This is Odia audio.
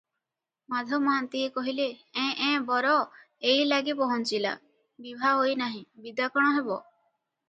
ମାଧ ମହାନ୍ତିଏ କହିଲେ, "ଏଁ ଏଁ- ବର ଏଇଲାଗେ ପହଞ୍ଚିଲା, ବିଭା ହୋଇ ନାହିଁ, ବିଦା କଣ ହେବ?"